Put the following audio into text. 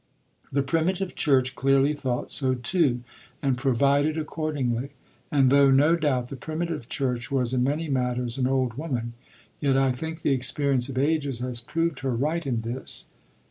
The Primitive Church clearly thought so too, and provided accordingly; and though no doubt the Primitive Church was in many matters an old woman, yet I think the experience of ages has proved her right in this."